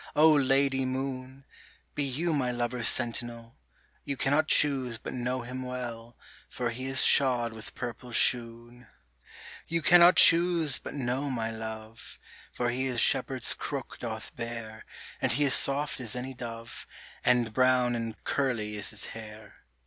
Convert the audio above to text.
O Lady moon ! Be you my lover's sentinel, You cannot choose but know him well, For he is shod with purple shoon, You cannot choose but know my love, For he a shepherd's crook doth bear, And he is soft as any dove, And brown and curly is his hair.